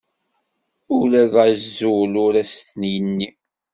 Ula d azul ur as-t-yenni.